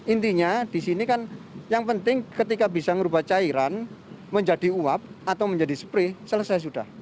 intinya di sini kan yang penting ketika bisa merubah cairan menjadi uap atau menjadi spri selesai sudah